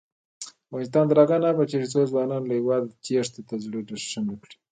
افغانستان تر هغو نه ابادیږي، ترڅو ځوانان له هیواده تېښتې ته زړه ښه نکړي.